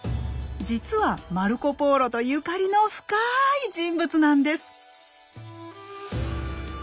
実はマルコ・ポーロとゆかりの深い人物なんです。